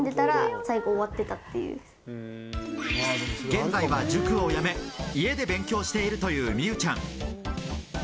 現在は塾をやめ、家で勉強をしているという美羽ちゃん。